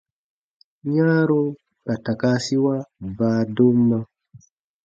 Yãaro ka takaasiwa baadomma.